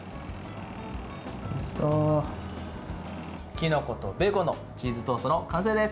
きのことベーコンのチーズトーストの完成です。